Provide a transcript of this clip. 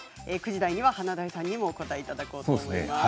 ９時台には華大さんにもお答えしていただきます。